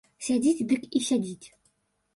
Сядзіць дык і сядзіць.